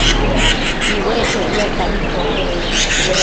iuecquio icnuectabi cho